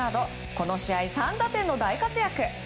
この試合、３打点の大活躍。